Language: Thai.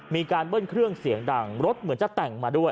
มีการเบิ้ลเครื่องเสียงดังรถเหมือนจะแต่งมาด้วย